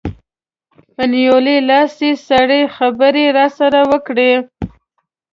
په نیولي لاس یې سړې خبرې راسره وکړې.